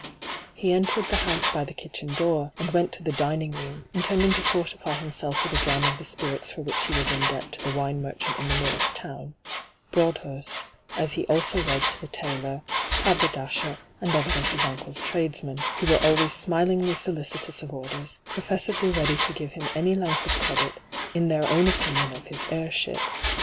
He entered the house by the kitchen door, and went to the dining room, intending to fortify himself with a dram of the spirits for which he was in debt to the wine merchant in the nearest town — Broadhurst — as he also was to the tailor, haberdasher, and other of his uncle's tradesmen, who were always smilingly solicitous of orders, professedly ready to give him any length of credit, in their own opinion of his heirship.